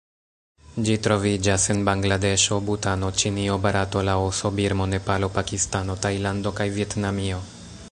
Ĝi troviĝas en Bangladeŝo, Butano, Ĉinio, Barato, Laoso, Birmo, Nepalo, Pakistano, Tajlando kaj Vjetnamio.